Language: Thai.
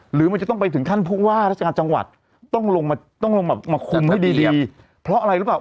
หรือมันจะต้องไปถึงขั้นพวกว่าธนาคารจังหวัดต้องลงมาคุมให้ดีเพราะอะไรรึเปล่า